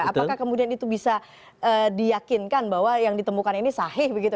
apakah kemudian itu bisa diyakinkan bahwa yang ditemukan ini sahih begitu